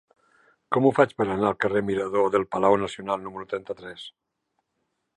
Com ho faig per anar al carrer Mirador del Palau Nacional número trenta-tres?